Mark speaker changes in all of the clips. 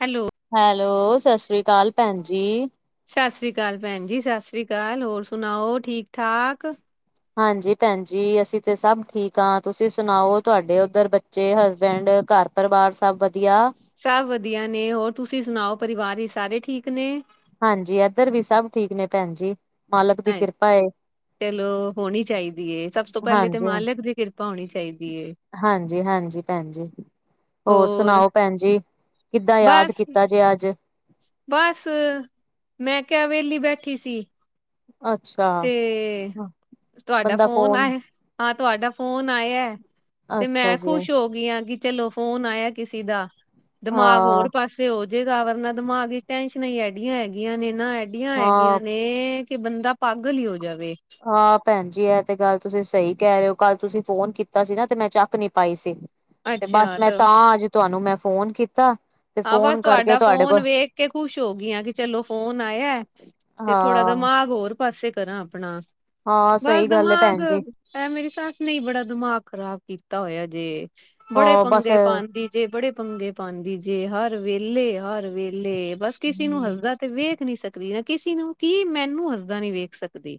Speaker 1: Hello.
Speaker 2: Hello ਸਤਿ ਸ਼੍ਰੀ ਅਕਾਲ ਭੈਣ ਜੀ।
Speaker 1: ਸਤਿ ਸ਼੍ਰੀ ਅਕਾਲ ਭੈਣ ਜੀ ਸਤਿ ਸ਼੍ਰੀ ਅਕਾਲ। ਹੋਰ ਸੁਣਾਓ ਠੀਕ ਠਾਕ।
Speaker 2: ਹਾਂਜੀ ਭੈਣ ਜੀ ਅਸੀਂ ਤੇ ਸਭ ਠੀਕ ਹਾਂ ਤੁਸੀਂ ਸੁਣਾਓ। ਤੁਹਾਡੇ ਉੱਧਰ ਬੱਚੇ, ਹਸਬੈਂਡ ਘਰ ਪਰਿਵਾਰ ਸਭ ਵਧੀਆ।
Speaker 1: ਸਭ ਵਧੀਆ ਨੇ ਹੋਰ ਤੁਸੀਂ ਸੁਣਾਓ ਪਰਿਵਾਰ ਵਿੱਚ ਸਾਰੇ ਠੀਕ ਨੇ।
Speaker 2: ਹਾਂਜੀ। ਇੱਧਰ ਵੀ ਸਭ ਠੀਕ ਨੇ ਭੈਣ ਜੀ ਮਾਲਕ ਦੀ
Speaker 1: ਹੈ
Speaker 2: ਕਿਰਪਾ ਏ।
Speaker 1: ਚਲੋ ਹੋਣੀ ਚਾਹੀਦੀ ਏ ਸਭ ਤੋਂ ਪਹਿਲੇ ਤੇ
Speaker 2: ਹਾਂਜੀ,
Speaker 1: ਮਾਲਕ ਦੀ ਕਿਰਪਾ ਹੋਣੀ ਚਾਹੀਦੀ ਏ।
Speaker 2: ਹਾਂਜੀ- ਹਾਂਜੀ ਭੈਣ ਜੀ। ਹੋਰ ਸੁਣਾਓ ਭੈਣ ਜੀ, ਕਿੱਦਾਂ ਯਾਦ
Speaker 1: ਬਸ
Speaker 2: ਕੀਤਾ ਜੇ ਅੱਜ।
Speaker 1: ਬਸ ਮੈਂ ਕਿਹਾ ਵੇਹਲੀ ਬੈਠੀ ਸੀ।
Speaker 2: ਅੱਛਾ।
Speaker 1: ਤੇ ਤੁਹਾਡਾ ਫੋਨ ਆਏ ਹਾਂ। ਤੁਹਾਡਾ ਫੋਨ ਆਇਆ ਤੇ
Speaker 2: ਅੱਛਾ
Speaker 1: ਮੈਂ
Speaker 2: ਜੀ, ਹਾਂ,
Speaker 1: ਖੁਸ਼ ਹੋ ਗਿਆਂ ਚਲੋ ਫੋਨ ਆਇਆ ਕਿਸੇ ਦਾ ਦਿਮਾਗ ਹੋਰ ਪਾਸੇ ਹੋ ਜੇਗਾ ਵਰਨਾ ਦਿਮਾਗ ਵਿੱਚ ਟੈਨਸ਼ਨਾਂ ਹੀ ਐਡੀਆਂ ਹੈਗੀਆਂ ਨੇ ਨਾ ਐਡੀਆਂ
Speaker 2: ਹਾਂ।
Speaker 1: ਹੈਗੀਆਂ ਨੇ ਇਹ ਕਿ ਬੰਦਾ ਪਾਗਲ ਹੀ ਹੋ ਜਾਵੇ
Speaker 2: ਹਾਂ। ਭੈਣ ਜੀ ਇਹ ਤੇ ਗੱਲ ਤੁਸੀਂ ਸਹੀ ਕਹਿ ਰਹੇ ਹੋ। ਕੱਲ ਤੁਸੀਂ ਫੋਨ ਕੀਤਾ ਸੀ ਨਾ ਤੇ ਮੈਂ ਚੱਕ ਨੀ ਪਾਈ ਸੀ। ਤੇ ਬਸ ਮੈਂ ਤਾਂ ਅੱਜ ਤੁਹਾਨੂੰ ਮੈਂ ਫੋਨ ਕੀਤਾ। ਤੇ
Speaker 1: ਹਾਂ। ਬਸ
Speaker 2: ਫੋਨ ਕਰਕੇ
Speaker 1: ਤੁਹਾਡਾ
Speaker 2: ਤੁਹਾਡੇ ਕੋਲ
Speaker 1: ਫੋਨ ਵੇਖ ਕੇ ਖੁਸ਼ ਹੋ ਗਈਆਂ ਕਿ ਚਲੋ ਫੋਨ ਆਇਆ। ਤੇ ਥੋੜਾ
Speaker 2: ਹਾਂ
Speaker 1: ਦਿਮਾਗ ਹੋਰ ਪਾਸੇ ਕਰਾਂ ਆਪਣਾ
Speaker 2: ਹਾਂ
Speaker 1: ਬਸ
Speaker 2: ਸਹੀ ਗੱਲ ਹੈ
Speaker 1: ਦਿਮਾਗ
Speaker 2: ਭੈਣ ਜੀ
Speaker 1: ਇਹ ਮੇਰੀ ਸੱਸ ਨੇ ਬੜਾ ਦਿਮਾਗ ਖ਼ਰਾਬ ਕੀਤਾ ਹੋਇਆ ਜੇ ਬੜੇ
Speaker 2: ਹਾਂ ਬਸ
Speaker 1: ਪੰਗੇ ਪਾਂਦੀ ਜੇ ਬੜੇ ਪੰਗੇ ਪਾਉਂਦੀ ਜੇ ਹਰ ਵੇਲੇ-ਹਰ ਵੇਲੇ ਬਸ ਕਿਸੇ ਨੂੰ ਹੱਸਦਾ ਤੇ ਵੇਖ ਵੇਖ ਨੀ ਸਕਦੀ ਨਾ ਕਿਸੇ ਨੂੰ ਕੀ ਮੈਨੂੰ ਹੱਸਦਾ ਨਹੀਂ ਵੇਖ ਸਕਦੀ।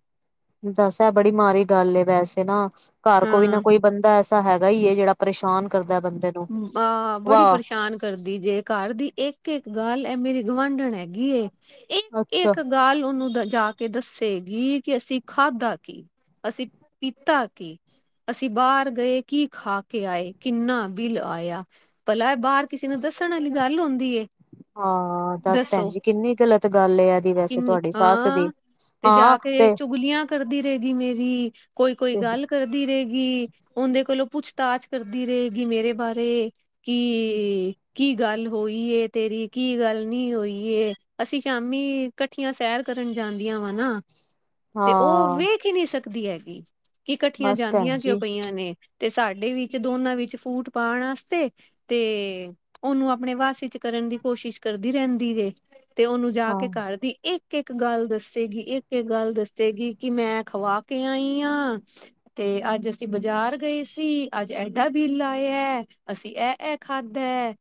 Speaker 2: ਦੱਸ ੲੈ ਬੜੀ ਮਾੜੀ ਗੱਲ ਏ ਵੈਸੇ ਨਾ ਘਰ ਕੋਈ ਨਾ
Speaker 1: ਹਾਂ
Speaker 2: ਕੋਈ ਬੰਦਾ ਐਸਾ ਹੈਗਾ ਈ ਏ ਜਿਹੜਾ ਪਰੇਸ਼ਾਨ ਕਰਦਾ ਬੰਦੇ ਨੂੰ
Speaker 1: ਆਹ ਬੜੀ
Speaker 2: ਵਾਹ
Speaker 1: ਪਰੇਸ਼ਾਨ ਕਰਦੀ ਜੇ ਘਰ ਦੀ ਇੱਕ ਇੱਕ ਗੱਲ ਇਹ ਮੇਰੀ ਗੁਵਾਂਢਣ ਹੈਗੀ ਏ, ਇੱਕ
Speaker 2: ਅੱਛਾ
Speaker 1: ਇੱਕ ਹਰ ਗੱਲ ੳਹਨੂੰ ਜਾ ਕੇ ਦੱਸੇਗੀ ਕਿ ਅਸੀਂ ਖਾਧਾ ਕੀ ਅਸੀਂ ਪੀਤਾ ਕੀ, ਅਸੀਂ ਬਾਹਰ ਗਏ ਕੀ ਖਾ ਕੇ ਆਏ ਕਿੰਨਾ ਬੀਲ ਆਇਆ ਭਲਾ ਇਹ ਬਾਹਰ ਕਿਸੇ ਨੂੰ ਦੱਸਣ ਵਾਲੀ ਗੱਲ ਹੁੰਦੀ ਏ।
Speaker 2: ਹਾਂ। ਦੱਸ ਭੈਣ
Speaker 1: ਦੱਸੋ
Speaker 2: ਜੀ ਕਿੰਨੀ ਗਲਤ ਗੱਲ ਏ ਇਹਦੀ ਵੈਸੇ
Speaker 1: ਕਿੰਨੀ
Speaker 2: ਤੁਹਾਡੀ ਸਸ ਦੀ।
Speaker 1: ਹਾਂ ਤੇ
Speaker 2: ਹਾਂ
Speaker 1: ਜਾ ਕੇ
Speaker 2: ਤੇ
Speaker 1: ਚੁਗਲੀਆਂ ਕਰਦੀ ਰਹੇਗੀ ਮੇਰੀ ਕੋਈ ਕੋਈ
Speaker 2: ਤੇ
Speaker 1: ਗੱਲ ਕਰਦੀ ਰਹੇਗੀ ਉਹਦੇ ਕੋਲੋਂ ਪੁੱਛਤਾਛ ਕਰਦੀ ਰਹੇਗੀ ਮੇਰੇ ਬਾਰੇ। ਕੀ ਕੀ ਗੱਲ ਹੋਈ ਏ ਤੇਰੀ ਕੀ ਗੱਲ ਨੀ ਹੋਈ ਏ ਅਸੀ ਸ਼ਾਮੀ ਕੱਠੀਆਂ ਸੈਰ ਕਰਨ ਜਾਂਦੀਆਂ ਵਾ ਨਾ ਤੇ ਉਹ
Speaker 2: ਹਾਂ
Speaker 1: ਵੇਖ ਹੀ ਨਹੀਂ ਸਕਦੀ ਹੈਗੀ, ਕਿ ਇਕੱਠੀਆਂ
Speaker 2: ਬਸ ਭੈਣ
Speaker 1: ਜਾਂਦੀਆਂ ਕਿਉਂ
Speaker 2: ਜੀ
Speaker 1: ਪਈਆਂ ਨੇ। ਤੇ ਸਾਡੇ ਵਿੱਚ ਦੋਨਾਂ ਵਿੱਚ ਫੂਟ ਪਾਉਣ ਵਾਸਤੇ ਤੇ ਉਹਨੂੰ ਆਪਣੇ ਵਸ ਚ ਕਰਨ ਦੀ ਕੋਸ਼ਿਸ਼ ਕਰਦੀ ਰਹਿੰਦੀ ਜੇ। ਤੇ ਉਹਨੂੰ ਜਾ
Speaker 2: ਹਾਂ
Speaker 1: ਕੇ ਕਰ ਦੀ ਇੱਕ ਇੱਕ ਇੱਕ ਗੱਲ ਦੱਸੇਗੀ ਇੱਕ ਇੱਕ ਗੱਲ ਦੱਸੇਗੀ ਕਿ ਮੈਂ ਖਵਾ ਕੇ ਆਈ ਆਂ ਤੇ ਅੱਜ ਅਸੀਂ ਬਾਜ਼ਾਰ ਗਏ ਸੀ ਅੱਜ ਐਡਾ ਬੀਲ ਆਇ ਇਆ ਅਸੀਂ ਇਹ ਇਹ ਖਾਧਾ ਏ,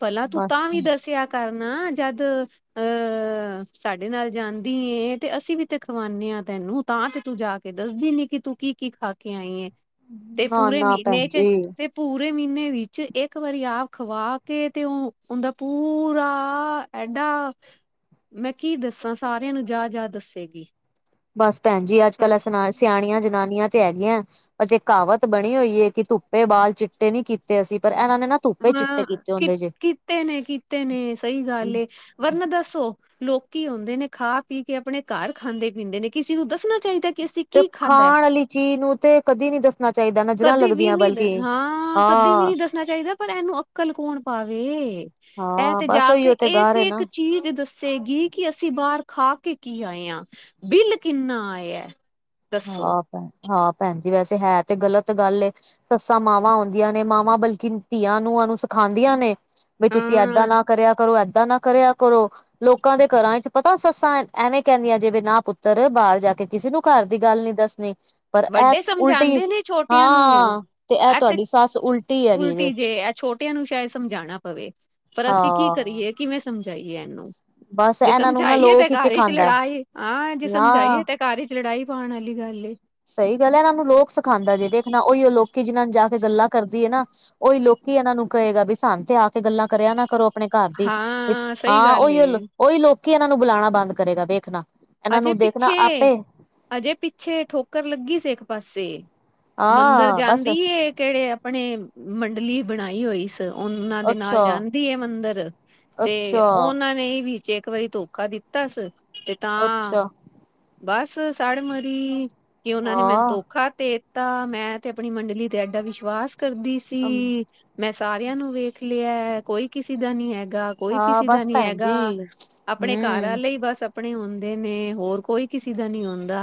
Speaker 1: ਭਲਾ ਤੂੰ
Speaker 2: ਬਸ
Speaker 1: ਤਾਂ ਵੀ ਦੱਸਿਆ ਕਰ ਨਾ ਜਦ ਅਹ ਸਾਡੇ ਨਾਲ ਜਾਂਦੀ ਏ, ਤੇ ਅਸੀ ਵੀ ਤੇ ਖਵਾਉਨਦੇ ਹਾਂ ਤੈਨੂੰ। ਤਾਂ ਤੇ ਤੂੰ ਜਾ ਕੇ ਦੱਸਦੀ ਨੀ ਕਿ ਤੂੰ ਕੀ ਕੀ ਖਾ ਕੇ ਆਈ ਹਫਤੇ ਤੇ
Speaker 2: ਨਾ
Speaker 1: ਪੂਰੇ
Speaker 2: ਨਾ
Speaker 1: ਮਹੀਨੇ
Speaker 2: ਭੈਣ
Speaker 1: ਚ
Speaker 2: ਜੀ
Speaker 1: ਤੇ ਪੂਰੇ ਮਹੀਨੇ ਵਿੱਚ ਇੱਕ ਵਾਰੀ ਆਪ ਖਵਾ ਕੇ ਤੇ ਉਹ ਉਹਦਾ ਪੂਰਾ ਐਡਾ ਮੈਂ ਕੀ ਦੱਸਾਂ ਸਾਰਿਆਂ ਨੂੰ ਜਾ ਜਾ ਦੱਸੇਗੀ।
Speaker 2: ਬਸ ਭੈਣ ਜੀ ਅੱਜ-ਕੱਲ ਅਸ
Speaker 1: ਬਸ
Speaker 2: ਣਾ ਸਿਆਣੀਆਂ ਜਨਾਨੀਆਂ ਤੇ ਹੈਗੀਆਂ ਅਸੀ ਇਕ ਕਹਾਵਤ ਬਣੀ ਹੋਈ ਏ ਕਿ ਧੁੱਪੇ ਬਾਲ ਚਿੱਟੇ ਨੀ ਕੀਤ
Speaker 1: ਹੁਣ ਕਿ
Speaker 2: ਹੁੰਦੇ ਜੇ
Speaker 1: ਕੀਤੇ ਨੇ ਕੀਤੇ ਨੇ ਸਈ ਗੱਲ ਏ ਵਰਨਾ ਦਸ ਦੱਸੋ ਲੋਕੀ ਹੁੰਦੇ ਨੇ ਖਾ ਪੀ ਕੇ ਆਪਣੇ ਘਰ ਖਾਂਦੇ-ਪੀਂਦੇ ਨੇ ਕਿਸੀ ਨੂੰ ਦੱਸਣਾ ਚਾਈਦਾ
Speaker 2: ਤੇ ਖਾਣ ਵਾਲੀ ਚੀਜ਼ ਨੂੰ ਤੇ ਕਦੀ ਨੀ ਦੱਸਣਾ ਚਾਈਦਾ ਨਜ਼ਰਾਂ
Speaker 1: ਕਦੇ ਵੀ
Speaker 2: ਲੱਗਦੀਆਂ
Speaker 1: ਨੀ
Speaker 2: ਬਲ
Speaker 1: ਹਾਂ ਕਦੇ ਵੀ ਨੀ ਦੱਸਣਾ ਚਾਈਦਾ। ਪਰ ਏਹਨੂੰ ਅੰਕਲ ਕੌਣ ਪਾਵੇ ਇਹ
Speaker 2: ਹਾਂ
Speaker 1: ਤੇ
Speaker 2: ਬਸ
Speaker 1: ਜਾ ਕੇ
Speaker 2: ਉਹੀਓ ਤੇ ਗਾਰ ਹੈ ਨਾ
Speaker 1: ਇੱਕ-ਇੱਕ ਚੀਜ਼ ਦੱਸ ਸੇ ਗੀ ਕਿ ਅਸੀਂ ਬਾਰ ਖਾ ਕੇ ਕੀ ਆਏ ਆਂ, ਬਿੱਲ ਕਿੰਨਾ ਆਇਐ।
Speaker 2: ਹਾਂ ਭੈਣ, ਹਾਂ ਭੈਣ ਜੀ ਵੈਸੇ ਹੈ ਤੇ ਗ਼ਲਤ ਗੱਲ ਏ। ਸੱਸਾਂ ਮਾਵਾਂ ਹੁੰਦੀਆਂ ਨੇ ਮਾਵਾਂ ਬਲਕਿ ਧੀਆਂ ਨੂੰਆ ਨੂੰ ਸਿਖਾਂਦੀਆਂ ਨੇ ਬਈ ਤੁਸੀ ਐਦਾਂ
Speaker 1: ਹਾਂ,
Speaker 2: ਨਾ ਕਰਿਆ ਕਰੋ, ਐਦਾਂ ਨਾ ਕਰਿਆ ਕਰੋ। ਲੋਕਾਂ ਦੇ ਘਰਾਂ ਇੱਚ ਪਤਾ ਸੱਸਾਂ ਐਵੇਂ ਕੈਂਦੀਐਂ ਜੇਵੇ ਨਾ ਪੁੱਤਰ ਬਾਰ ਜਾ ਕੇ ਕਿਸੇ ਨੂੰ ਘਾਰ ਦੀ ਗੱਲ ਨੀ ਦੱਸਣੀ। ਪਰ ਐ
Speaker 1: ਵੱਡੇ
Speaker 2: ਉਲਟੀ
Speaker 1: ਸਮਝਾਉਂਦੇ ਨੇ ਛੋਟਿਆਂ ਨੂੰ
Speaker 2: ਹਾਂ ਤੇ ਐ
Speaker 1: ਇੱਥੇ
Speaker 2: ਤੁਆਡੀ ਸੱਸ ਉਲਟੀ ਹੈਗੀ ਜੇ।
Speaker 1: ਤੇ ਏਨੂੰ ਸ਼ੈਦ ਸਮਝਾਣਾ ਪਵੇ ਪਰ ਅਸੀ ਕੀ
Speaker 2: ਹਾਂ
Speaker 1: ਕਰੀਏ ਕਿਵੇਂ ਸਮਝਾਈਏ ਐਨੂੰ।
Speaker 2: ਬਸ
Speaker 1: ਜੇ
Speaker 2: ਇਹਨਾਂ ਨੂੰ ਨਾ
Speaker 1: ਸਮਝਾਈਏ ਤੇ
Speaker 2: ਲੋਕ ਹੀ
Speaker 1: ਘਰ ਇੱਚ
Speaker 2: ਸਿਖਾਉਂਦਾ
Speaker 1: ਲੜਾਈ, ਆਂ ਜੇ
Speaker 2: ਨਾ
Speaker 1: ਸਮਝਾਈਏ ਤੇ ਘਰ ਇੱਚ ਲੜਾਈ ਪਾਣ ਆਲੀ ਗੱਲ ਏ।
Speaker 2: ਸਈ ਗੱਲ ਏ, ਐਨਾਂ ਨੂੰ ਲੋਕ ਸਿਖਾਂਦਾ ਜੇ ਵੇਖਣਾ ਔਈਔ ਲੋਕੀ ਜਿਨਾਂ ਨੂੰ ਜਾ ਕੇ ਗੱਲਾਂ ਕਰਦੀ ਏ ਨਾ ਔਈ ਲੋਕੀ ਐਨਾਂ ਨੂੰ ਕਏਗਾ ਵੀ ਸਾਨੂ ਤੇ ਆ ਕੇ ਗੱਲਾਂ ਕਰਿਆ ਨਾ ਕਰੋ ਆਪਣੇ ਘਰ ਦੀ
Speaker 1: ਹਾਂ ਸਹੀ
Speaker 2: ਹਾਂ
Speaker 1: ਗੱਲ ਏ
Speaker 2: ਔਈਔ, ਔਈ ਲੋਕੀ ਐਨਾਂ ਨੂੰ ਬਲਾਣਾ ਬੰਦ ਕਰੇਗਾ ਵੇਖਣਾ ਐਨਾਂ
Speaker 1: ਅਜੇ
Speaker 2: ਨੂੰ ਦੇਖਣਾ
Speaker 1: ਪਿੱਛੇ
Speaker 2: ਆਪੇ
Speaker 1: ਅਜੇ ਪਿੱਛੇ ਠੋਕਰ ਲੱਗੀ ਸੀ ਇੱਕ ਪਾਸੇ, ਮੰਦਿਰ
Speaker 2: ਹਾਂ ਬਸ
Speaker 1: ਜਾਂਦੀ ਏ। ਕੇੜੇ ਆਪਣੇ ਮੰਡਲੀ ਬਣਾਈ ਹੋਈ ਸ ਤੇ ਔਨਾਂ ਦੇ ਨਾਲ
Speaker 2: ਅੱਛਾ
Speaker 1: ਜਾਂਦੀ ਏ ਮੰਦਰ ਤੇ
Speaker 2: ਅੱਛਾ
Speaker 1: ਔਨਾਂ ਨੇ ਏ ਵੀ 'ਚ ਇੱਕ ਵਾਰੀ ਧੋਖਾ ਦਿੱਤਾ ਸ ਤੇ ਤਾਂ
Speaker 2: ਅੱਛਾ
Speaker 1: ਬਸ ਸੜ ਮਰੀ ਕਿ ਔਨਾਂ ਨੇ ਮੈਨੂੰ
Speaker 2: ਹਾਂ
Speaker 1: ਧੋਖਾ ਦੇ ਤਾ ਮੈਂ ਤੇ ਆਪਣੀ ਮੰਡਲੀ ਤੇ ਐਡਾ ਵਿਸ਼ਵਾਸ ਕਰਦੀ ਸੀ, ਮੈਂ ਸਾਰਿਆਂ ਨੂੰ ਵੇਖ ਲਿਐ, ਕੋਈ ਕਿਸੀ ਦਾ ਨੀ ਹੈਗਾ। ਕੋਈ
Speaker 2: ਹਾਂ
Speaker 1: ਕਿਸੀ ਦਾ
Speaker 2: ਬਸ
Speaker 1: ਨੀ
Speaker 2: ਭੈਣ ਜੀ
Speaker 1: ਹੈਗਾ, ਆਪਣੇ ਘਰ
Speaker 2: ਹਮ
Speaker 1: ਵਾਲੇ ਈ ਬਸ ਅ ਪਣੇ ਹੁੰਦੇ ਨੇ, ਹੋਰ ਕੋਈ ਕਿਸੀ ਦਾ ਨੀ ਹੁੰਦਾ।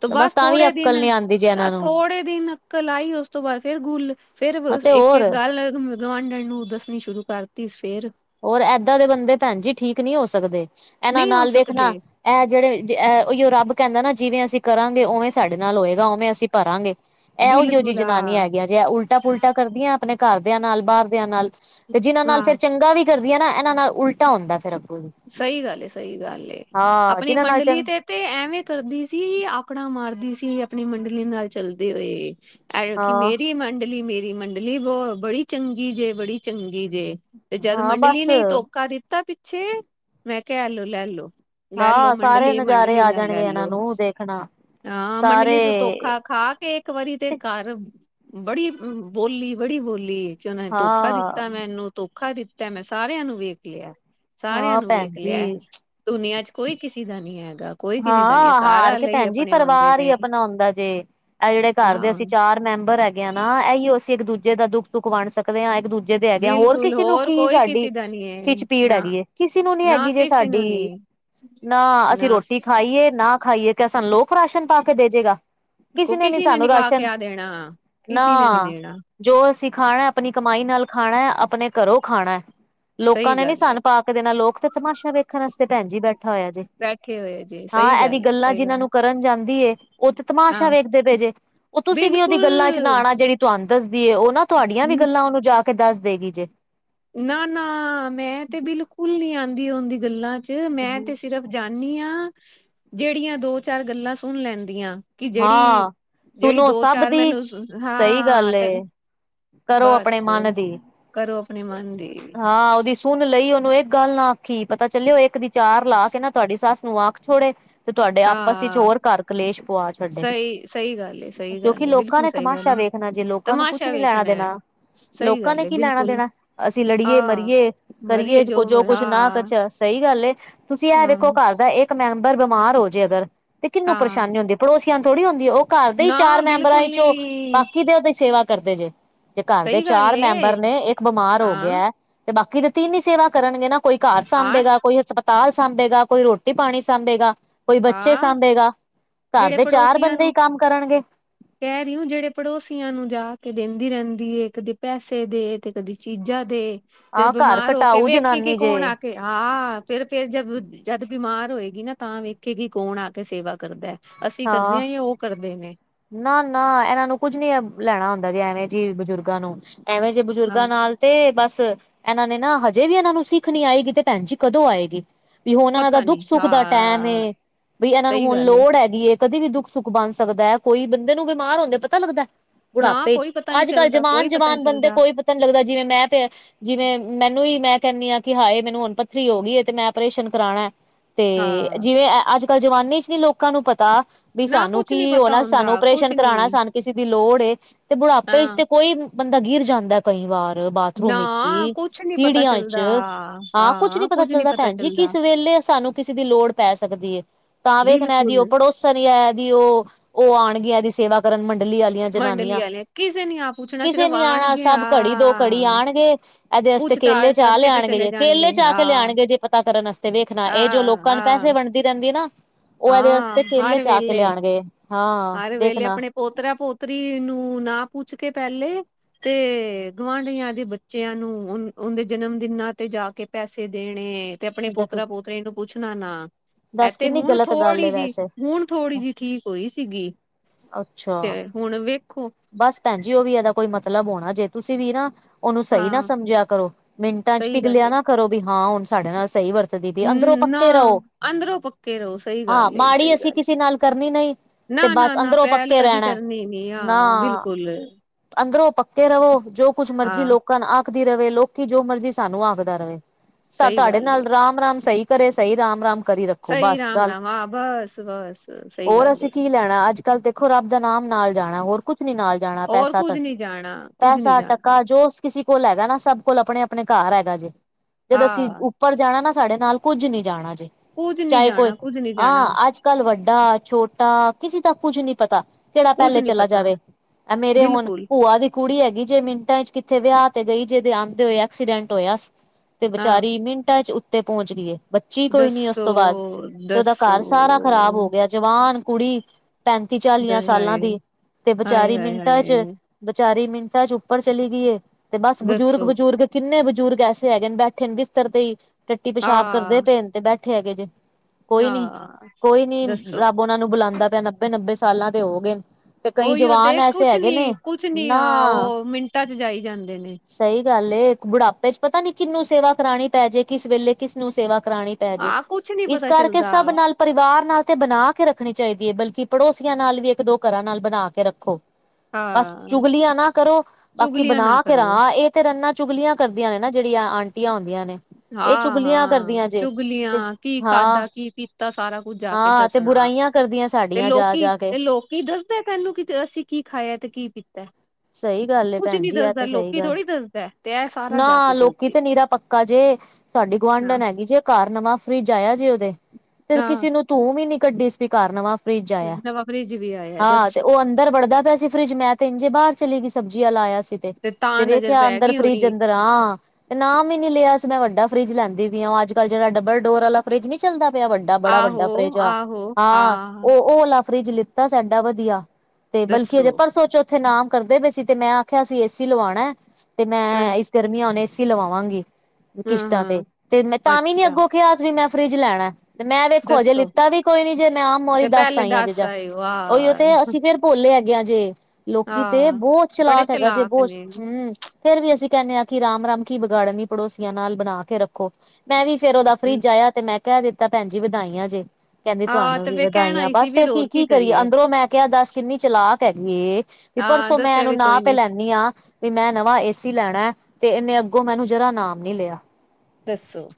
Speaker 1: ਤ ਬਸ
Speaker 2: ਤਾਂ ਵੀ
Speaker 1: ਥੋੜੇ
Speaker 2: ਅਕਲ
Speaker 1: ਦਿਨ,
Speaker 2: ਨੀ ਆਉਂਦੀ ਜੇ
Speaker 1: ਅ
Speaker 2: ਇਹਨਾਂ ਨੂੰ
Speaker 1: ਥੋੜੇ ਦਿਨ ਅਕਲ ਆਈ ਔਸ ਤੋਂ ਬਾਦ ਫੇਰ ਗੁਲ। ਫੇਰ ਬ
Speaker 2: ਤੇ
Speaker 1: ਇੱਕ-ਇੱਕ
Speaker 2: ਹੋਰ
Speaker 1: ਗੱਲ ਗੁਆਂਢਣ ਨੂੰ ਦੱਸਣੀ ਸ਼ੁਰੂ ਕਰਤੀ ਫੇਰ।
Speaker 2: ਔਰ ਐਦਾਂ ਦੇ ਬੰਦੇ ਭੈਣ ਜੀ ਠੀਕ ਨੀ ਹੋ ਸਕਦੇ। ਐਨਾਂ
Speaker 1: ਨਹੀਂ ਹੋ
Speaker 2: ਨਾਲ ਵੇਖਣਾ
Speaker 1: ਸਕਦੇ
Speaker 2: ਐ ਜੇੜੇ ਜੇ ਐ ਔਈਔ ਰੱਬ ਕੈਂਦਾ ਨਾ ਜਿਵੇਂ ਅਸੀ ਕਰਾਂਗੇ ਔਵੇਂ ਸਾਡੇ ਨਾਲ ਹੋਏਗਾ, ਔਵੇਂ ਅਸੀ ਭਰਾਂਗੇ। ਐ ਔਈਔ ਜੀ
Speaker 1: ਬਿਲਕੁਲ ਆ
Speaker 2: ਜਨਾਨੀ ਹੈਗੀਐ। ਜੇ ਐ ਉਲਟਾ-ਪੁਲਟਾ ਕਰਦੀਐਂ ਆਪਣੇ ਘਰਦਿਆਂ ਨਾਲ ਬਾਹਰਦਿਆਂ ਨਾਲ ਤੇ ਜਿਨਾਂ ਨਾਲ
Speaker 1: ਹਾਂ
Speaker 2: ਫੇਰ ਚੰਗਾ ਵੀ ਕਰਦੀਐ ਨਾ ਐਨਾਂ ਨਾਲ ਉਲਟਾ ਹੁੰਦੈ ਫੇਰ ਅੱਗੋਂ ਵੀ।
Speaker 1: ਸਈ ਗੱਲ ਏ-ਸਈ ਗੱਲ ਏ।
Speaker 2: ਹਾਂ
Speaker 1: ਆਪਣੀ
Speaker 2: ਜਿਹਨਾਂ ਨਾਲ
Speaker 1: ਮੰਡਲੀ
Speaker 2: ਚੰਗ
Speaker 1: ਤੇ ਤੇ ਐਵੇਂ ਕਰਦੀ ਸੀ, ਆਕੜਾ ਮਾਰਦੀ ਸੀ ਆਪਣੀ ਮੰਡਲੀ ਨਾਲ ਚਲਦੇ ਔਏ ਐਈਔ ਕਿ
Speaker 2: ਹਾਂ
Speaker 1: ਮੇਰੀ ਮੰਡਲੀ-ਮੇਰੀ ਮੰਡਲੀ ਬਹੁ ਬੜੀ ਚੰਗੀ ਜੇ, ਬੜੀ ਚੰਗੀ ਜੇ। ਤੇ ਜਦ
Speaker 2: ਹਾਂ
Speaker 1: ਮੰਡਲੀ
Speaker 2: ਬਸ
Speaker 1: ਨੇ ਈ ਧੋਖਾ ਦਿੱਤਾ ਪਿੱਛੇ, ਮੈਂ ਕਿਆ ਐਲੋ ਲੈਲੋ।
Speaker 2: ਹਾਂ, ਸਾਰੇ ਨਜ਼ਾਰੇ ਆ ਜਾਣਗੇ ਐਨਾਂ ਨੂੰ, ਦੇਖਣਾ।
Speaker 1: ਹਾਂ,
Speaker 2: ਸਾਰੇ
Speaker 1: ਮੰਡਲੀ 'ਚ ਧੋਖਾ ਖਾ ਕੇ ਇੱਕ ਵਾਰੀ ਤੇ ਘਰ ਬੜੀ ਬੋਲੀ, ਬੜੀ ਬੋਲੀ। ਕਿ ਔਨਾਂ ਨੇ ਧੋਖਾ
Speaker 2: ਹਾਂ
Speaker 1: ਦਿੱਤੈ ਮੈਂਨੂੰ, ਧੋਖਾ ਦਿੱਤੈ। ਮੈਂ ਸਾਰਿਆਂ ਨੂੰ ਵੇਖ ਲਿਐ। ਸਾਰਿਆਂ
Speaker 2: ਹਾਂ
Speaker 1: ਨੂੰ
Speaker 2: ਭੈਣ
Speaker 1: ਵੇਖ ਲਿਐ,
Speaker 2: ਜੀ
Speaker 1: ਦੁਨੀਆਂ 'ਚ ਕੋਈ ਕਿਸੇ ਦਾ ਨੀ ਹੈਗਾ। ਕੋਈ ਕਿਸੇ ਦਾ ਨੀ ਹੈ
Speaker 2: ਹਾਂ,
Speaker 1: ਘਰ
Speaker 2: ਹਾਰ ਕੇ
Speaker 1: ਵਾਲੇ ਹੀ
Speaker 2: ਭੈਣ ਜੀ
Speaker 1: ਆਪਣੇ ਆਉਂਦੇ
Speaker 2: ਪਰਿਵਾਰ ਈ
Speaker 1: ਨੇ
Speaker 2: ਆਪਣਾ ਹੁੰਦਾ ਜੇ। ਐ ਜੇੜੇ ਘਰ
Speaker 1: ਹਾਂ
Speaker 2: ਦੇ ਅਸੀਂ ਚਾ ਰ ਮੈਂਬਰ ਹੈਗੇ ਆ ਨਾ ਐਈਔ ਅਸੀਂ ਇੱਕ-ਦੂਜੇ ਦਾ ਦੁੱਖ ਸੁੱਖ ਵੰਡ ਸਕਦੇ ਆ ਇੱਕ ਦੂ ਜੇ ਦੇ ਹੈਗੇ ਆਂ। ਹੋਰ
Speaker 1: ਬਿਲਕੁਲ
Speaker 2: ਕਿਸੀ ਨੂੰ ਕੀ
Speaker 1: ਕੋਈ
Speaker 2: ਸਾਡੀ
Speaker 1: ਕਿਸੇ ਦਾ ਨੀ ਹੈ
Speaker 2: ਖਿਚਪੀੜ
Speaker 1: ਨਾ
Speaker 2: ਹੈਗੀ ਏ। ਕਿਸੀ ਨੂੰ ਨੀ
Speaker 1: ਨਾ
Speaker 2: ਹੈਗੀ ਜੇ
Speaker 1: ਕਿਸੇ ਨੂੰ
Speaker 2: ਸਾਡੀ
Speaker 1: ਨੀ
Speaker 2: ਨਾ ਅਸੀਂ
Speaker 1: ਨਾ
Speaker 2: ਰੋਟੀ ਖਾਈਏ, ਨਾ ਖਾਈਏ, ਕਯਾ ਸਾਨੂੰ ਲੋਕ ਰਾਸ਼ਨ ਪਾ ਕੇ ਦੇਜੇਗਾ।
Speaker 1: ਕੋ
Speaker 2: ਕਿਸੀ ਨੇ ਨੀ
Speaker 1: ਕਿਸੇ
Speaker 2: ਸਾਨੂੰ
Speaker 1: ਪਾ ਕੇ
Speaker 2: ਰਾਸ਼ਨ,
Speaker 1: ਆ ਦੇਣਾ ਕਿਸੇ ਨੇ ਨੀ
Speaker 2: ਨਾ।
Speaker 1: ਦੇਣਾ
Speaker 2: ਜੋ ਅਸੀਂ ਖਾਣੈ, ਆਪਣੀ ਕਮਾਈ ਨਾਲ ਖਾਣੈ ਆਪਣੇ ਘਰੋਂ ਖਾਣੈ, ਲੋਕਾਂ
Speaker 1: ਸਹੀ
Speaker 2: ਨੇ ਨੀ
Speaker 1: ਗੱਲ ਹੈ
Speaker 2: ਸਨ ਪਾ ਕੇ ਦੇਣੈ। ਲੋਕ ਤੇ ਤਮਾਸ਼ ਵੇਖਣ ਅਸਤੇ ਭੈਣ ਜੀ ਬੈਠਾ ਹੋਇਆ ਜੇ।
Speaker 1: ਬੈਠੇ ਹੋਏ ਜ
Speaker 2: ਹਾਂ, ਐਦੀ ਗੱਲਾਂ ਜਿਨਾਂ ਨੂੰ ਕਰਨ ਜਾਂਦੀ ਏ ਔ ਤੇ ਤਮਾਸ਼ਾ
Speaker 1: ਹਾਂ
Speaker 2: ਵੇਖਦੇ ਪਏ ਜੇ। ਔ ਤੁਸੀ ਵੀ ਔਦੀ ਗੱਲਾਂ 'ਚ ਨਾ
Speaker 1: ਬਿਲਕੁਲ
Speaker 2: ਆਣਾ ਜੜੀ ਤੁਆਨੂੰ ਦੱਸਦੀ ਏ, ਔ ਨਾ ਤੁਆਡੀਆਂ ਵੀ ਗੱਲਾਂ ਔਨੂੰ ਜਾ ਕੇ ਦੱਸ ਦੇਗੀ ਜੇ।
Speaker 1: ਨਾ, ਨਾ ਮੈਂ ਤੇ ਬਿਲਕੁਲ ਨੀ ਆਂਦੀ ਔਦੀ ਗੱਲਾਂ 'ਚ ਮੈਂ ਤੇ ਸਿਰਫ ਜਾਨੀ ਆ ਜਿਹੜੀਆਂ ਦੋ ਚਾਰ ਗੱਲਾਂ ਸੁਣ ਲੈਂਦੀਆਂ ਕਿ ਜਿਹੜੀ
Speaker 2: ਹਾਂ
Speaker 1: ਜਿਹੜੀ
Speaker 2: ਸੁਣੋ
Speaker 1: ਦੋ
Speaker 2: ਸਭ
Speaker 1: ਚਾਰ
Speaker 2: ਦੀ
Speaker 1: ਮੈਨੂੰ
Speaker 2: ਸਹੀ
Speaker 1: ਹਾਂ
Speaker 2: ਗੱਲ
Speaker 1: ਤੇ
Speaker 2: ਏ ਕਰੋ
Speaker 1: ਬਸ
Speaker 2: ਆਪਣੇ ਮਨ ਦੀ
Speaker 1: ਕਰੋ ਆਪਣੇ ਮਨ ਦੀ
Speaker 2: ਹਾਂ ਉਹਦੀ ਸੁੰਨ ਲਈ ਉਹਨੂੰ ਇੱਕ ਗੱਲ ਨਾ ਆਖੀ ਪਤਾ ਚੱਲੇ ਓ ਇੱਕ ਦੀ ਚਾਰ ਲਾ ਕੇ ਨਾ ਤੁਹਾਡੀ ਸੱਸ ਨੂੰ ਆਖ ਛੋੜੇ ਤੇ ਤੁਹਾਡੇ ਆਪਸ ਵਿੱਚ
Speaker 1: ਹਾਂ
Speaker 2: ਹੋਰ ਘਰ ਕਲੇਸ਼ ਪੁਆ ਛੱਡੇ,
Speaker 1: ਸਹੀ ਸਹੀ ਗੱਲ ਏ ਸਹੀ
Speaker 2: ਕਿਉਂਕਿ
Speaker 1: ਗੱਲ ਏ
Speaker 2: ਲੋਕਾਂ
Speaker 1: ਬਿਲਕੁਲ
Speaker 2: ਨੇ
Speaker 1: ਸਹੀ ਗੱਲ
Speaker 2: ਤਮਾਸ਼ਾ
Speaker 1: ਏ
Speaker 2: ਵੇਖਣਾ ਜੇ ਲੋਕਾਂ ਨੂੰ ਕੁਛ
Speaker 1: ਤਮਾਸ਼ਾ
Speaker 2: ਨੀ ਲੈਣਾ
Speaker 1: ਵੇਖਣਾ ਹੈ
Speaker 2: ਦੇਣਾ।
Speaker 1: ਸਹੀ
Speaker 2: ਲੋਕਾਂ
Speaker 1: ਗੱਲ
Speaker 2: ਨੇ
Speaker 1: ਏ
Speaker 2: ਕੀ ਲੈਣਾ
Speaker 1: ਬਿਲਕੁਲ
Speaker 2: ਦੇਣਾ ਅਸੀਂ ਲੜੀਏ
Speaker 1: ਹਾਂ
Speaker 2: ਮਰੀਏ ਕਰੀਏ
Speaker 1: ਮਰੀਏ
Speaker 2: ਜੋ ਕੁਛ ਨਾ
Speaker 1: ਹਾਂ
Speaker 2: ਕੁਛ ਸਹੀ ਗੱਲ ਏ, ਤੁਸੀਂ ਇਹ
Speaker 1: ਹਾਂ
Speaker 2: ਦੇਖੋ ਘਰ ਦਾ ਇਹ- ਇੱਕ ਮੈਂਬਰ ਬਿਮਾਰ ਹੋ ਜੇ ਅਗਰ ਤੇ ਕਿੰਨੂੰ
Speaker 1: ਹਾਂ
Speaker 2: ਪਰੇਸ਼ੀ ਹੁੰਦੀ ਪੜੋਸੀਆਂ ਨੂੰ ਥੋੜ੍ਹੀ ਹੁੰਦੀ ਆ ਉਹ ਘਰ ਦੇ ਹੀ
Speaker 1: ਨਾ
Speaker 2: ਚਾਰ
Speaker 1: ਬਿਲਕੁਲ
Speaker 2: ਮੈਂਬਰਾਂ ਚੋਂ ਉਹ
Speaker 1: ਨੀ
Speaker 2: ਬਾਕੀ ਦੇ ਉਹਦੀ ਸੇਵਾ ਕਰਦੇ ਜੇ ਜੇ ਘਰ ਦੇ
Speaker 1: ਸਹੀ ਗੱਲ
Speaker 2: ਚਾਰ ਮੈਂਬਰ
Speaker 1: ਏ
Speaker 2: ਨੇ ਇੱਕ ਬਿਮਾਰ ਹੋ
Speaker 1: ਹਾਂ
Speaker 2: ਗਿਆ ਤੇ ਬਾਕੀ ਦੇ ਤਿੰਨ ਈ ਸੇਵਾ ਕਰਨਗੇ ਨਾ। ਕੋਈ ਘਰ
Speaker 1: ਹਾਂ
Speaker 2: ਸਾਂਭੇਗਾ, ਕੋਈ ਹਸਪਤਾਲ ਸਾਂਭੇਗਾ, ਕੋਈ ਰੋਟੀ ਪਾਣੀ ਸਾਂਭੇਗਾ, ਕੋਈ ਬੱਚੇ
Speaker 1: ਹਾਂ
Speaker 2: ਸਾਂਭੇਗਾ। ਘਰ
Speaker 1: ਜਿਹੜੇ
Speaker 2: ਦੇ ਚਾਰ
Speaker 1: ਪੜੋਸੀਆਂ ਨੂੰ
Speaker 2: ਬੰਦੇ ਈ ਕੰਮ ਕਰਨਗੇ।
Speaker 1: ਕਹਿ ਰਹੀਓ ਜਿਹੜੇ ਪੜੋਸੀਆਂ ਨੂੰ ਜਾ ਕੇ ਦਿੰਦੀ ਰਹਿੰਦੀ ਏ ਕਦੇ ਪੈਸੇ ਦੇ ਤੇ ਕਦੀ ਚੀਜ਼ਾਂ ਦੇ ਜਦ
Speaker 2: ਆਹ ਘਰ
Speaker 1: ਬਿਮਾਰ ਹੋ ਕੇ
Speaker 2: ਘਟਾਊ
Speaker 1: ਵੇਖੀ ਕਿ
Speaker 2: ਜਨਾਨੀ ਜੇ
Speaker 1: ਕੌਣ ਆ ਕੇ ਆਹ ਫਿਰ ਫਿਰ ਜਦ ਜਦ ਬਿਮਾਰ ਹੋਏਗੀ ਨਾ ਤਾਂ ਵੇਖੇਗੀ ਕੌਣ ਆ ਕੇ ਸੇਵਾ ਕਰਦਾ। ਅਸੀਂ ਕਰਦੇ ਹਾਂ ਜਾਂ ਉਹ ਕਰਦੇ ਨੇ
Speaker 2: ਨਾ ਨਾ ਇਹਨਾਂ ਨੂੰ ਕੁੱਝ ਨੀ ਲੈਣਾ ਹੁੰਦਾ ਜੇ ਐਵੇਂ ਜੀ ਬਜ਼ੁਰਗਾਂ ਨੂੰ ਐਵੇਂ ਜੇ ਬਜ਼ੁਰਗਾਂ
Speaker 1: ਹਾਂ
Speaker 2: ਨਾਲ ਤੇ ਬਸ ਇਹਨਾਂ ਨੇ ਨਾ ਹਜੇ ਵੀ ਇਹਨਾਂ ਨੂੰ ਸਿੱਖਣੀ ਆਏਗੀ ਤੇ ਭੈਣ ਜੀ ਕਦੋਂ ਆਏਗੀ? ਵੀ ਹੁਣ ਇਹਨਾਂ ਦਾ
Speaker 1: ਪਤਾ
Speaker 2: ਦੁੱਖ
Speaker 1: ਨੀ
Speaker 2: ਸੁੱਖ ਦਾ ਟੈਮ
Speaker 1: ਹਾਂ
Speaker 2: ਏ ਬ ਇਹਨਾਂ ਨੂੰ
Speaker 1: ਸਹੀ
Speaker 2: ਹੁਣ
Speaker 1: ਗੱਲ ਏ
Speaker 2: ਲੋੜ ਹੈਗੀ। ਕਦੀ ਵੀ ਦੁੱਖ ਸੁੱਖ ਬਣ ਸਕਦਾ ਹੈ ਕੋਈ ਬੰਦੇ ਨੂੰ ਬਿਮਾਰ ਹੁੰਦੇ ਪਤਾ ਲੱਗਦਾ
Speaker 1: ਨਾ
Speaker 2: ਬੁਢਾਪੇ ਚ
Speaker 1: ਕੋਈ ਪਤਾ ਨੀ
Speaker 2: ਅੱਜ ਕੱਲ੍ਹ
Speaker 1: ਚੱਲਦਾ
Speaker 2: ਜਵਾਨ
Speaker 1: ਕੋਈ ਪਤਾ ਨੀ
Speaker 2: ਜਵਾਨ ਬੰਦੇ
Speaker 1: ਚੱਲਦਾ
Speaker 2: ਕੋਈ ਪਤਾ ਨੀ ਲੱਗਦਾ ਜਿਵੇਂ ਮੈਂ ਤੇ ਇਹ ਜਿਵੇਂ ਮੈਨੂੰ ਹੀ ਮੈਂ ਕਹਿੰਦੀ ਹਾਂ ਕਿ ਹਾਏ ਮੈਨੂੰ ਹੁਣ ਪੱਥਰੀ ਹੋ ਗਈ ਹੈ ਤੇ ਮੈਂ ਆਪਰੇਸ਼ਨ ਕਰਾਉਣਾ। ਤੇ
Speaker 1: ਹਾਂ
Speaker 2: ਜਿਵੇਂ ਅੱਜ ਕੱਲ ਜਵਾਨੀ ਚ ਨੀ ਲੋਕਾਂ ਨੂੰ ਪਤਾ ਵੀ
Speaker 1: ਨਾ
Speaker 2: ਸਾਨੂੰ
Speaker 1: ਕੁਛ ਨੀ
Speaker 2: ਕੀ ਉਹ
Speaker 1: ਪਤਾ
Speaker 2: ਨਾ
Speaker 1: ਹੁੰਦਾ
Speaker 2: ਸਾਨੂੰ
Speaker 1: ਕੁਛ
Speaker 2: ਓਪਰੇਸ਼ਨ
Speaker 1: ਨੀ
Speaker 2: ਕਰਾਉਣਾ ਸਾਨੂੰ ਕਿਸੀ ਦੀ ਲੋੜ ਏ ਤੇ ਬੁਢਾਪੇ ਚ
Speaker 1: ਹਾਂ
Speaker 2: ਤੇ ਕੋਈ ਬੰਦਾ ਗਿਰ ਜਾਂਦਾ ਕਈ ਵਾਰ
Speaker 1: ਨਾ
Speaker 2: ਬਾਥਰੂਮ ਵਿੱਚ ਹੀ,
Speaker 1: ਕੁਛ ਨੀ ਪਤਾ
Speaker 2: ਸੀੜੀਆਂ ਵਿਚ,
Speaker 1: ਚੱਲਦਾ
Speaker 2: ਹਾਂ ਕੁਛ ਨੀ ਪਤਾ ਚੱਲਦਾ ਭੈਣ ਜੀ ਕਿਸ ਵੇਲੇ ਸਾਨੂੰ ਕਿਸੇ ਦੀ ਲੋੜ ਪੈ ਸਕਦੀ ਹੈ, ਤਾਂ ਵੇਖਣਾ ਬੀ ਓ
Speaker 1: ਬਿਲਕੁਲ
Speaker 2: ਪੜੋ ਇਹਦੀ ਉਹ ਉਹ ਆਉਣਗੇ ਇਹਦੀ ਸੇਵਾ ਕਰਨ ਮੰਡਲੀ ਵਾਲੀ
Speaker 1: ਮੰਡਲੀ
Speaker 2: ਜਨਾਨੀਆਂ,
Speaker 1: ਆਲੇ ਕਿਸੇ ਨੇ ਆ ਪੁੱਛਣਾ
Speaker 2: ਕਿਸੇ
Speaker 1: ਸਿਰਫ
Speaker 2: ਨੀ ਆਉਣਾ
Speaker 1: ਆਣਗੇ ਆ
Speaker 2: ਸਭ ਘੜੀ ਦੋ ਘੜੀ ਆਉਣਗੇ, ਇਹਦੇ ਵਾਸਤੇ ਕੇਲੇ
Speaker 1: ਪੁੱਛਤਾਛ
Speaker 2: ਚਾਹ
Speaker 1: ਕਰਕੇ ਤੇ
Speaker 2: ਲਿਆਣਗੇ
Speaker 1: ਚਲੇ
Speaker 2: ਜੇ ਕੇਲੇ
Speaker 1: ਜਾਣਗੇ
Speaker 2: ਚਾਹ
Speaker 1: ਆ
Speaker 2: ਕੇ ਲਿਆਉਣਗੇ ਜੇ ਪਤਾ ਕਰਨ ਵਾਸਤੇ ਵੇਖਣਾ
Speaker 1: ਆ
Speaker 2: ਇਹ ਜੋ ਲੋਕਾਂ ਨੂੰ ਪੈਸੇ
Speaker 1: ਆ
Speaker 2: ਵੰਡ ਦੀ ਰਹਿੰਦੀ ਨਾ ਉਹ ਇਹਦੇ
Speaker 1: ਹਾਂ
Speaker 2: ਵਾਸਤੇ ਕੇਲੇ
Speaker 1: ਹਰ
Speaker 2: ਚਾ ਕੇ
Speaker 1: ਵੇਲੇ
Speaker 2: ਲਿਆਉਣਗੇ।
Speaker 1: ਹਰ ਵੇਲੇ ਆਪਣੇ ਪੋਤਰਾ ਪੋਤਰੀ ਨੂੰ ਨਾ ਪੁੱਛ ਕੇ ਪਹਿਲੇ ਤੇ ਗੁਆਂਢੀਆਂ ਦੇ ਬੱਚਿਆਂ ਨੂੰ ਓਹਦੇ ਜਨਮ ਦਿਨਾਂ ਤੇ ਜਾ ਕੇ ਪੈਸੇ ਦੇਣੇ ਤੇ ਆਪਣੇ
Speaker 2: ਦੇਖ
Speaker 1: ਪੋਤਰਾ ਪੋਤਰੀ ਨੂੰ ਪੁੱਛਣਾ ਨਾ। ਇ
Speaker 2: ਦੱਸ
Speaker 1: ਤੇ
Speaker 2: ਕਿੰਨੀ
Speaker 1: ਹੁਣ
Speaker 2: ਗ਼ਲਤ ਗੱਲ ਏ
Speaker 1: ਥੋੜ੍ਹੀ ਜੀ
Speaker 2: ਵੈਸੇ
Speaker 1: ਹੁਣ ਥੋੜੀ ਜਿਹੀ ਠੀਕ ਹੋਈ ਸੀ।
Speaker 2: ਅੱਛਾ
Speaker 1: ਤੇ ਹੁਣ ਵੇਖੋ।
Speaker 2: ਬਸ ਭੈਣ ਜੀ ਉਹ ਵੀ ਇਹਦਾ ਕੋਈ ਮਤਲਬ ਹੋਣਾ ਜੇ ਤੁਸੀਂ ਵੀ ਨਾ ਉਹਨੂੰ ਸਹੀ ਨਾ
Speaker 1: ਹਾਂ
Speaker 2: ਸਮਝਿਆ ਕਰੋ ਮਿੰਟਾਂ ਚ
Speaker 1: ਸਹੀ
Speaker 2: ਪਿਘਲਿਆ ਨਾ ਕਰੋ ਵੀ ਹਾਂ ਹੁਣ ਸਾਡੇ ਨਾਲ ਸਹੀ ਵਰਤ
Speaker 1: ਹਮ ਨਾ ਅੰਦਰੋਂ ਪੱਕੇ ਰਹੋ ਸਹੀ
Speaker 2: ਹਾਂ
Speaker 1: ਗੱਲ
Speaker 2: ਮਾੜੀ
Speaker 1: ਸਹੀ
Speaker 2: ਅਸੀਂ
Speaker 1: ਗੱਲ।
Speaker 2: ਕਿਸੇ ਨਾਲ ਕਰਨੀ ਨਹੀਂ
Speaker 1: ਨਾ
Speaker 2: ਤੇ
Speaker 1: ਨਾ
Speaker 2: ਬਸ
Speaker 1: ਨਾ
Speaker 2: ਅੰਦਰੋਂ
Speaker 1: ਪਹਿਲ
Speaker 2: ਪੱਕੇ
Speaker 1: ਕਦੀ
Speaker 2: ਰਹਿਣਾ
Speaker 1: ਕਰਨੀ ਨ
Speaker 2: ਨਾ
Speaker 1: ਹਾਂ ਬਿਲਕੁਲ
Speaker 2: ਅੰਦਰੋਂ ਪੱਕੇ ਰਵੋ ਜੋ ਕੁਝ ਮਰਜ਼ੀ
Speaker 1: ਹਾਂ
Speaker 2: ਲੋਕਾਂ ਨੂੰ ਆਖਦੀ ਰਵੇ ਲੋਕੀ ਜੋ ਮਰਜ਼ੀ ਸਾਨੂੰ ਆਖਦਾ ਰਵੇ
Speaker 1: ਸਹੀ
Speaker 2: ਤੁਹਾਡੇ
Speaker 1: ਗੱਲ ਏ।
Speaker 2: ਨਾਲ ਰਾਮ ਰਾਮ ਸਹੀ ਕਰੇ ਸਹੀ ਰਾਮ ਰਾਮ ਕਰੀ ਰੱਖੋ
Speaker 1: ਸਹੀ
Speaker 2: ਬਸ
Speaker 1: ਰਾਮ
Speaker 2: ਗੱਲ
Speaker 1: ਰਾਮ ਹਾਂ ਬਸ ਬਸ ਸਹੀ
Speaker 2: ਹੋਰ
Speaker 1: ਗੱਲ ਏ
Speaker 2: ਅਸੀਂ ਕੀ ਲੈਣਾ ਅੱਜ ਕੱਲ ਦੇਖੋ ਰਬ ਦਾ ਨਾਮ ਨਾਲ ਜਾਣਾ ਹੋਰ ਕੁਝ ਨੀ ਨਾਲ ਜਾਣਾ।
Speaker 1: ਹੋਰ
Speaker 2: ਪੈਸਾ,
Speaker 1: ਕੁੱਝ ਨੀ ਜਾਣਾ ਕੁੱਝ ਨੀ
Speaker 2: ਪੈਸਾ
Speaker 1: ਜਾਣਾ।
Speaker 2: ਟੱਕਾ ਜੋ ਕਿਸੀ ਕੋਲ ਹੈਗਾ ਨਾ, ਸਭ ਕੋਲ ਆਪਣੇ-ਆਪਣੇ ਘਰ ਹੈਗਾ ਜੇ। ਜਦੋਂ ਅਸੀਂ
Speaker 1: ਹਾਂ
Speaker 2: ਉਪਰ ਜਾਣਾ ਨਾ, ਸਾਡੇ ਨਾਲ ਕੁਝ ਨਹੀਂ ਜਾਣਾ ਜੇ,
Speaker 1: ਕੁੱਝ ਨੀ
Speaker 2: ਚਾਹੇ ਕੋਈ
Speaker 1: ਜਾਣਾ ਕੁੱਝ ਨੀ ਜਾਣਾ
Speaker 2: ਆ ਅੱਜ ਕੱਲ੍ਹ ਵੱਡਾ-ਛੋਟਾ ਕਿਸੇ ਦਾ ਕੁਝ ਨਹੀਂ ਪਤਾ, ਕੌਣ
Speaker 1: ਕੁੱਝ
Speaker 2: ਪਹਿਲਾਂ
Speaker 1: ਨੀ
Speaker 2: ਚਲਾ
Speaker 1: ਪਤਾ
Speaker 2: ਜਾਵੇ। ਮੇਰੇ ਹੁਣ
Speaker 1: ਬਿਲਕੁਲ
Speaker 2: ਭੂਆ ਦੀ ਕੁੜੀ ਹੈਗੀ ਜੇ ਮਿੰਟਾਂ ਵਿੱਚ ਕਿੱਥੇ ਵਿਆਹ ਤੇ ਗਈ ਜੇ ਤੇ ਆਉਂਦੇ ਹੋਏ ਐਕਸੀਡੈਂਟ ਹੋਇਆ ਸ ਤੇ
Speaker 1: ਹਾਂ
Speaker 2: ਵਿਚਾਰੀ ਮਿੰਟਾਂ ਵਿੱਚ ਉੱਪਰ ਪਹੁੰਚ ਗਈ। ਬੱਚੀ ਕੋਈ ਨਹੀਂ। ਉਸ
Speaker 1: ਦੱਸੋ
Speaker 2: ਤੋਂ ਬਾਅਦ ਉਹਦਾ
Speaker 1: ਦੱਸੋ
Speaker 2: ਘਰ ਸਾਰਾ ਖ਼ਰਾਬ ਹੋ ਗਿਆ। ਜਵਾਨ ਕੁੜੀ ਸੀ, ਪੈਂਤੀ-ਚਾਲੀਆ
Speaker 1: ਦਏ
Speaker 2: ਸਾਲਾ
Speaker 1: ਹਾਏ
Speaker 2: ਦੀ। ਤੇ
Speaker 1: ਹਾਏ
Speaker 2: ਵਿਚਾਰੀ
Speaker 1: ਹਾਏ
Speaker 2: ਮਿੰਟਾਂ ਵਿੱਚ।
Speaker 1: ਹਾਏ
Speaker 2: ਤੇ ਵਿਚਾਰੀ ਮਿੰਟਾਂ ਵਿੱਚ ਹੀ ਉੱਪਰ ਚਲੀ ਗਈ। ਬੱਸ, ਬਜ਼ੁਰਗ
Speaker 1: ਦੱਸੋ
Speaker 2: ਬਜੁਰਗ ਕਿੰਨੇ ਹੀ ਬਜ਼ੁਰਗ ਐਸੇ ਹੈਗੇ, ਜੋ ਬਿਸਤਰ 'ਤੇ ਹੀ ਟੱਟੀ-ਪੇਸ਼ਾਬ ਕਰਦੇ
Speaker 1: ਹਾਂ
Speaker 2: ਪੇ ਤੇ ਬੈਠੇ ਹੈਗੇ ਨੇ। ਜੇ ਕੋਈ ਨਹੀਂ,
Speaker 1: ਹਾਂ
Speaker 2: ਕੋਈ ਨਹੀਂ,
Speaker 1: ਦੱਸੋ
Speaker 2: ਰੱਬ ਉਹਨਾਂ ਨੂੰ ਬੁਲਾਦਾ ਪਿਆ ਨੱਬੇ-ਨੱਬੇ ਸਾਲਾਂ ਦੇ ਹੋ ਗਏ ਨੇ, ਤੇ ਕਈ ਜਵਾਨ ਵੀ ਐਸੇ
Speaker 1: ਨਹੀਂ,
Speaker 2: ਨੇ
Speaker 1: ਕੁਝ ਨਹੀਂ। ਹਾਂ,
Speaker 2: ਨਾ
Speaker 1: ਉਹ ਮਿੰਟਾਂ 'ਚ ਜਾਈ ਜਾਂਦੇ ਨੇ
Speaker 2: ਸਹੀ ਗੱਲ ਏ, ਬੁਢਾਪੇ 'ਚ ਪਤਾ ਨਹੀਂ ਕਿਹਨੂੰ ਸੇਵਾ ਕਰਾਨੀ ਪੈ ਜਾਏ ਤੇ ਕਿਸ ਵੇਲੇ ਕਿਸ ਨੂ ਸੇਵਾ ਕਰਾਨੀ ਪੈ ਜੇ,
Speaker 1: ਹਾਂ ਕੁਛ ਨੀ
Speaker 2: ਇਸ
Speaker 1: ਪਤਾ
Speaker 2: ਕਰਕੇ
Speaker 1: ਚੱਲਦਾ
Speaker 2: ਸਭ ਨਾਲ। ਪਰਿਵਾਰ ਨਾਲ ਤਾਂ ਬਣਾ ਕੇ ਰੱਖਣੀ ਹੀ ਚਾਹੀਦੀ ਹੈ, ਬਲਕਿ ਪੜੋਸੀਆਂ ਨਾਲ ਵੀ ਇੱਕ-ਦੋ ਘਰਾਂ ਨਾਲ ਬਣਾ ਕੇ ਰੱਖੋ। ਬਸ
Speaker 1: ਹਾਂ
Speaker 2: ਚੁਗਲੀਆਂ ਨਾ ਕਰੋ ਬਾਕੀ
Speaker 1: ਚੁਗਲੀਆਂ ਨਾ
Speaker 2: ਬਣਾ ਕੇ ਰ
Speaker 1: ਕਰੋ
Speaker 2: ਇਹ ਰੰਨਾ ਚੁਗਲੀਆਂ ਕਰਦੀਆਂ ਨੇ ਨਾ ਜਿਹੜੀਆਂ ਆਂਟੀਆਂ ਹੁੰਦੀਆਂ ਨੇ ਇਹ
Speaker 1: ਹਾਂ
Speaker 2: ਚੁਗਲੀਆਂ
Speaker 1: ਹਾਂ
Speaker 2: ਕਰਦੀਆਂ ਜੇ ਤੇ
Speaker 1: ਚੁਗਲੀਆਂ ਕੀ
Speaker 2: ਹਾਂ
Speaker 1: ਖਾਧਾ ਕੀ ਪੀਤਾ ਸਾਰਾ ਕੁੱਝ ਜਾ ਕੇ
Speaker 2: ਹਾਂ ਤੇ
Speaker 1: ਦੱਸਣਾ
Speaker 2: ਬੁਰਾਈਆਂ ਕਰਦੀਆਂ
Speaker 1: ਤੇ
Speaker 2: ਸਾਡੀਆਂ ਜਾ ਜਾ ਕੇ
Speaker 1: ਲੋਕੀ ਇਧਰ ਤੇ ਸਾਨੂੰ ਕੀ ਪਾ ਕੀ, ਕੀ ਖਾਇਆ ਤੇ ਕੀ ਪੀਤਾ।
Speaker 2: ਸਹੀ ਗੱਲ ਏ,
Speaker 1: ਕੁੱਝ
Speaker 2: ਭੈਣ
Speaker 1: ਨੀ
Speaker 2: ਜੀ ਏ
Speaker 1: ਦੱਸਦਾ
Speaker 2: ਤੇ ਸਹੀ
Speaker 1: ਲੋਕੀ
Speaker 2: ਗੱਲ
Speaker 1: ਥੋੜ੍ਹੀ ਦੱਸਦਾ ਤੇ ਇਹ ਸਾਰਾ ਜਾ
Speaker 2: ਨਾ,
Speaker 1: ਕੇ
Speaker 2: ਲੋਕੀ
Speaker 1: ਦੱਸਦੇ
Speaker 2: ਤਾਂ ਨਿਰਾ ਪੱਕਾ ਜੇ। ਸਾਡੀ
Speaker 1: ਹਾਂ
Speaker 2: ਗੁਆਂਢਣ ਹੈਗੀ ਜੇ। ਘਰ ਨਵਾਂ ਫਰਿਜ ਆਇਆ ਜੇ, ਉਹਦੇ 'ਤੇ
Speaker 1: ਹਾਂ
Speaker 2: ਕਿਸੇ ਨੂ ਧੂ ਵੀ ਨਹੀਂ ਕੱਢੀ ਸੀ। ਘਰ ਨਵਾ ਫਰਿੱਜ ਆਇਆ
Speaker 1: ਨਵਾਂ ਫਰਿਜ ਵੀ ਆਇਆ
Speaker 2: ਆ ਤੇ
Speaker 1: ਦੱਸੋ
Speaker 2: ਉਹ ਅੰਦਰ ਵੜਦਾ ਪਿਆ ਸੀ। ਫਰਿੱਜ ਮੈਂ ਤੇ ਇੰਝ ਹੀ ਬਾਹਰ ਫੀਰਜ ਸਬਜੀ ਆਲਾ ਆਇਆ ਤੇ ਕਿਤੇ ਤੇ
Speaker 1: ਤਾਂ ਨਜ਼ਰ
Speaker 2: ਵੇਖਿਆ
Speaker 1: ਪੈ
Speaker 2: ਅੰਦਰ
Speaker 1: ਗਈ
Speaker 2: ਫਰਿਜ
Speaker 1: ਹੋਣੀ
Speaker 2: ਅੰਦਰ ਆ ਤੇ ਨਾਮ ਵੀ ਨਹੀਂ ਲਿਆ। ਤੇ ਮੈ ਵੱਡਾ ਫਰਿੱਜ ਲੈਣਦੀ ਪਈ ਆ ਅੱਜਕੱਲ੍ਹ ਜਿਹੜਾ ਡਬਲ ਡੋਰ ਵਾਲਾ ਫਰਿੱਜ। ਨੀ ਚੱਲਦਾ ਪਿਆ ਵਾ ਜੇੜਾ, ਬੜਾ
Speaker 1: ਆਹੋ
Speaker 2: ਵੱਡਾ ਫਰਿਜ ਹੈ।
Speaker 1: ਆਹੋ
Speaker 2: ਹਾਂ, ਔ ਔ ਲਾ ਫਰਿਜ ਲੀਤ ਤੇ ਸਾਡਾ ਵਧੀਆ ਤੇ
Speaker 1: ਦੱਸੋ
Speaker 2: ਬਲਕੇ ਪਰਸੋ ਚੋਥ ਤੇ ਨਾਮ ਕਰਦੇ ਪਏ ਸੀ। ਤੇ ਮੈਂ ਆਖਿਆ, ਸੀ ਏ ਸੀ ਲਵਾਣਾ ਹੈ, ਤੇ ਮੈ
Speaker 1: ਹਾਂ
Speaker 2: ਏਦਰ ਨਹੀ ਏ ਅ ਸੀ ਲਵਾਵਾਂਗੀ
Speaker 1: ਹਾਂ
Speaker 2: ਕਿਸ਼ਤਾਂ
Speaker 1: ਹਾਂ
Speaker 2: 'ਤੇ, ਤੇ ਮੈਂ ਤਾਂ ਵੀ ਨਹੀਂ
Speaker 1: ਅੱਛਾ
Speaker 2: ਅੱਗੋਂ ਕਿਹਾ ਸੀ ਕਿ ਮੈਂ ਫਰਿਜ ਲੈਣਾ ਤੇ ਮੈਂ ਵੇਖੋ, ਅਜੇ
Speaker 1: ਦੱਸੋ
Speaker 2: ਲਿਤਾ ਵੀ ਕੋਈ ਨਹੀਂ। ਜੇ ਮੈਂ ਆਪ ਮੋਰੀ
Speaker 1: ਤੇ
Speaker 2: ਦੱਸ
Speaker 1: ਪਹਿਲੇ
Speaker 2: ਆਈ ਆ ਦੂਜਾ
Speaker 1: ਆਏ
Speaker 2: ਔਵੀ ਉਥੇ
Speaker 1: ਵਾਹ
Speaker 2: ਫਿਰ ਭੋਲੇ ਹੈਗੇ ਆ ਜੇ ਇਹ ਲੋਕੀ ਤੇ
Speaker 1: ਹਾਂ
Speaker 2: ਬਹੁਤ
Speaker 1: ਬੜੇ
Speaker 2: ਚਲਾਕ ਹੈਗੇ। ਜੇ ਬਹੁਤ
Speaker 1: ਨੇ
Speaker 2: ਹੂ ਫਿਰ ਵੀ ਅਸੀਂ ਕਹਿੰਦੇ ਹਾਂ ਕਿ ਰਾਮ-ਰਾਮ ਕੀ ਵਿਗਾੜਨੀ, ਪੜੋਸੀਆਂ ਨਾਲ ਬਣਾ ਕੇ ਰੱਖੋ ਮੈਂ ਵੀ ਫਿਰ ਫਰਿੱਜ ਆਇਆ ਤਾਂ ਮੈਂ ਕਹਿ ਦਿੱਤਾ, ਭੈਣ ਜੀ ਵਧਾਈਆ ਜੇ ਕਹਿੰਦੀ,
Speaker 1: ਹਾਂ
Speaker 2: ਤੁਹਾਨੂੰ
Speaker 1: ਤੇ
Speaker 2: ਵੀ
Speaker 1: ਫੇਰ ਕਹਿਣਾ
Speaker 2: ਵਧਾਈਆ।
Speaker 1: ਹੀ ਸੀ
Speaker 2: ਬਸ
Speaker 1: ਵੀ
Speaker 2: ਫਿਰ
Speaker 1: ਹੋਰ
Speaker 2: ਕੀ ਕਰੀਏ, ਅੰਦਰੋਂ ਮੈਂ ਕਿਹਾ, ਦੱਸ। ਕਿੰਨੀ ਚਲਾਕ ਹੈਗੀ ਏ, ਤੇ
Speaker 1: ਹਾਂ
Speaker 2: ਪਰਸੋਂ ਮੈਂ
Speaker 1: ਦੱਸਿਆ
Speaker 2: ਇਹਨੂੰ
Speaker 1: ਵੀ
Speaker 2: ਨਾ
Speaker 1: ਕੋਈ
Speaker 2: ਪਾ
Speaker 1: ਨੀ
Speaker 2: ਲੈਂਦੀ ਆਂ ਵੀ, ਮੈਂ ਨਵਾਂ ਏਸੀ ਲੈਣਾ ਤੇ ਇਹਨੇ ਅੱਗੋਂ ਮੈਨੂੰ ਜ਼ਰਾ ਨਾਮ ਨਹੀਂ ਲਿਆ।
Speaker 1: ਦੱਸੋ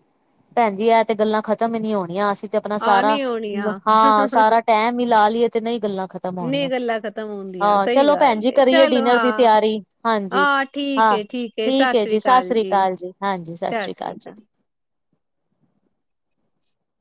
Speaker 2: ਭੈਣ ਜੀ, ਇਹ ਤਾਂ ਗੱਲਾਂ ਖ਼ਤਮ ਹੀ ਨਹੀਂ ਹੋਣੀਆਂ ਅਸੀਂ। ਤੇ ਆਪਣਾ
Speaker 1: ਹਾਂ
Speaker 2: ਸਾਰਾ
Speaker 1: ਨੀ ਹੋਣੀਆਂ
Speaker 2: ਹਾ ਸਾਰਾ ਟਾਈਮ ਹੀ ਲਾ ਲਈਏ, ਤੇ ਨਹੀ ਗੱਲਾਂ ਖ਼ਤਮ
Speaker 1: ਨਹੀਂ, ਗੱਲਾਂ ਖ਼ਤਮ ਹੁੰਦੀਆਂ, ਸਹੀ ਗੱਲ ਹੈ।
Speaker 2: ਭੈਣ ਜੀ ਕਰੀਏ ਡਿਨਰ ਦੀ ਤਿਆਰੀ, ਹਾਂਜੀ,
Speaker 1: ਹਾਂ ਠੀਕ
Speaker 2: ਹਾਂ,
Speaker 1: ਏ
Speaker 2: ਠੀਕ
Speaker 1: ਸਤਿ
Speaker 2: ਏ ਜੀ,
Speaker 1: ਸ੍ਰੀ ਅਕਾਲ
Speaker 2: ਸਾਸ੍ਰੀ ਕਾਲ ਜੀ। ਹਾਂ ਜੀ, ਸਤਿ ਸ਼੍ਰੀ ਅਕਾਲ ਜੀ।